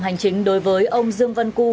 hành chính đối với ông dương vân cư